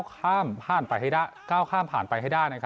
ก้าวข้ามผ่านไปให้ได้